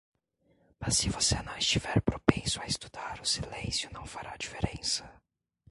Mas se você não estiver propenso a estudar, o silêncio não fará diferença.